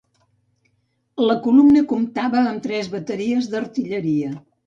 La columna comptava amb tres bateries d'artilleria.